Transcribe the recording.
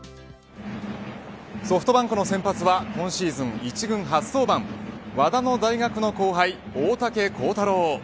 ソフトバンクの先発は今シーズン１軍初登板和田の大学の後輩、大竹耕太郎。